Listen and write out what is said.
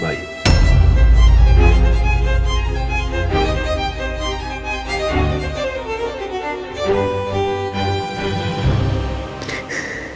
dan setelah itu